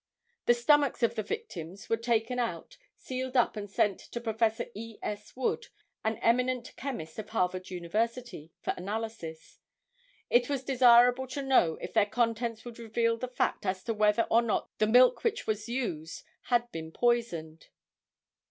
The stomachs of the victims were taken out, sealed up and sent to Prof. E. S. Wood, an eminent chemist of Harvard University, for analysis. It was desirable to know if their contents would reveal the fact as to whether or not the milk which was used, had been poisoned.